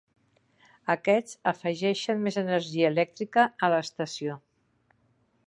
Aquests afegeixen més energia elèctrica a l'estació.